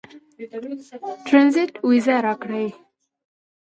ټرنزیټ وېزه راکړي.